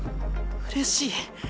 うれしい。